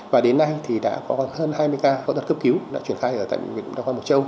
và đến nay thì đã có hơn hai mươi ca phẫu thuật cướp cứu đã chuyển khai ở tại bệnh viện đông khoa mộc châu